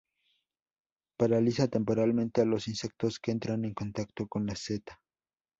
Paraliza temporalmente a los insectos que entran en contacto con la seta.